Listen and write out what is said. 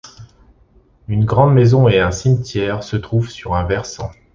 Une grande maison et un cimetière se trouvent sur un versant.